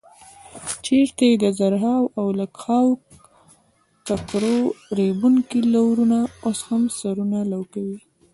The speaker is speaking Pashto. چېرته چې د زرهاو او لکهاوو ککرو ریبونکي لرونه اوس هم سرونه لو کوي.